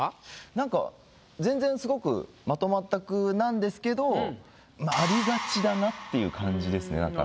なんか全然スゴくまとまった句なんですけどまあっていう感じですね。